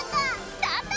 スタート！